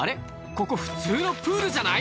ここ普通のプールじゃない？